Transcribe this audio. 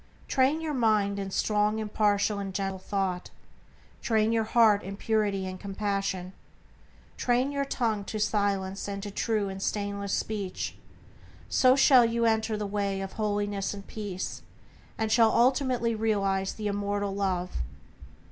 Train your mind in strong, impartial, and gentle thought; train your heart in purity and compassion; train your tongue to silence and to true and stainless speech; so shall you enter the way of holiness and peace, and shall ultimately realize the immortal Love.